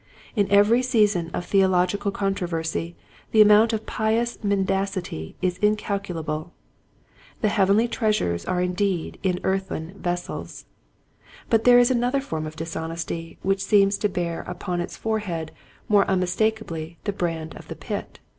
In every season of theological con troversy the amount of pious mendacity is incalculable. The heavenly treasures are indeed in earthen vessels. But there is another form of dishonesty which seems to bear upon its forehead Dishonesty. 115 more unmistakably the brand of the pit.